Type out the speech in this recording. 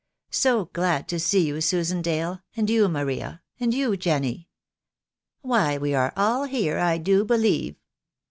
So glad to see you, Susan Dale, and you, Maria, and you, Jenny. Why we are all here, I do believe."